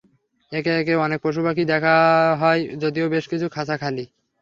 একে একে অনেক পশুপাখিই দেখা হয়, যদিও বেশ কিছু খাঁচা খালি।